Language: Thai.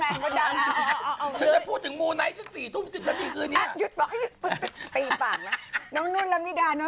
อ๋อแต่เนื่องอยู่เมืองไทยใช่ไหม